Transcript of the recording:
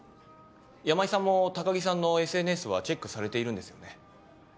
山井さんも高城さんのＳＮＳはチェックされているんですよね？